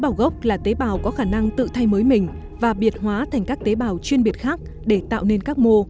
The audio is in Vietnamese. tế bào gốc là tế bào có khả năng tự thay mới mình và biệt hóa thành các tế bào chuyên biệt khác để tạo nên các mô